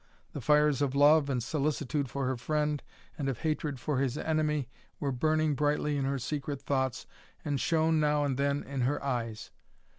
The fires of love and solicitude for her friend and of hatred for his enemy were burning brightly in her secret thoughts and shone now and then in her eyes.